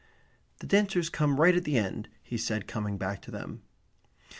"The dancers come right at the end," he said, coming back to them.